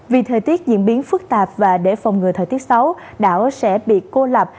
vì thời tiết diễn biến phức tạp và để phòng ngừa thời tiết xấu đảo sẽ bị cô lập